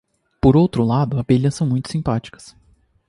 Por outro lado, abelhas são muito simpáticas.